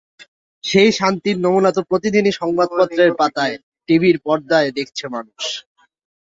সেই শান্তির নমুনা তো প্রতিদিনই সংবাদপত্রের পাতায়, টিভির পর্দায় দেখছে মানুষ।